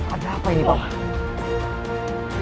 ada apa ini paman